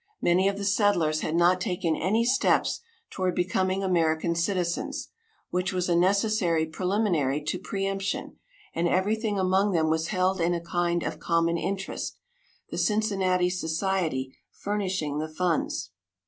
Many of the settlers had not taken any steps toward becoming American citizens, which was a necessary preliminary to preëmption, and everything among them was held in a kind of common interest, the Cincinnati society furnishing the funds.